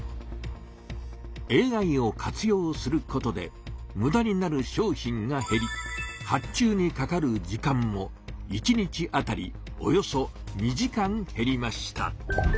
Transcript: ＡＩを活用することでむだになる商品が減り発注にかかる時間も一日当たりおよそ２時間減りました。